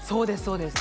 そうです